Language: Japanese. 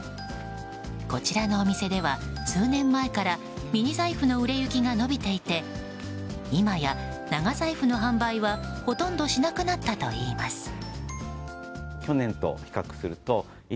こちらのお店では数年前からミニ財布の売れ行きが伸びていて今や長財布の販売は、ほとんどしなくなったといいます。